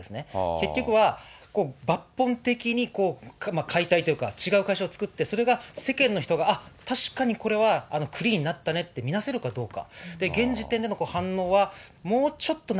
結局は、抜本的に解体というか、違う会社を作って、それが世間の人が、あっ、確かにこれはクリーンになったねって見なせるかどうか。